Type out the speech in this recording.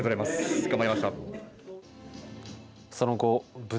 頑張りました。